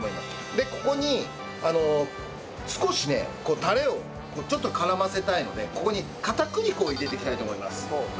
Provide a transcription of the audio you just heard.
でここに少しねタレをちょっと絡ませたいのでここに片栗粉を入れていきたいと思います。